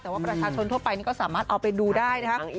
แต่ว่าประชาชนทั่วไปนี่ก็สามารถเอาไปดูได้นะครับ